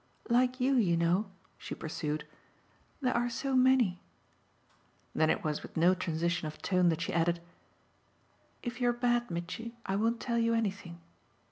Like you, you know," she pursued, "there are so many." Then it was with no transition of tone that she added: "If you're bad, Mitchy, I won't tell you anything."